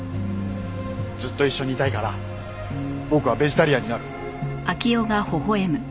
ずっと一緒にいたいから僕はベジタリアンになる。